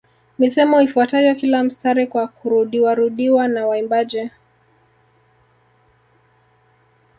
Misemo ifuatayo kila mstari kwa kurudiwarudiwa na waimbaji